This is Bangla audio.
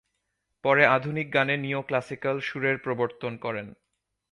পরে আধুনিক গানে নিও-ক্লাসিক্যাল সুরের প্রবর্তন করেন।